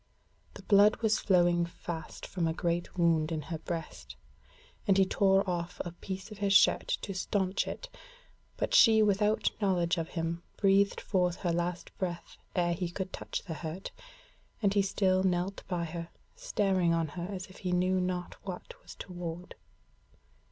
The blood was flowing fast from a great wound in her breast, and he tore off a piece of his shirt to staunch it, but she without knowledge of him breathed forth her last breath ere he could touch the hurt, and he still knelt by her, staring on her as if he knew not what was toward.